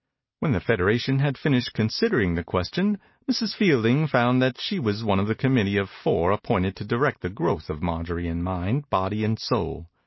When the federation had finished considering the ques tion, Mrs. Fielding found that she was one of a committee of four appointed to direct the growth of Marjorie in mind, body, and soul.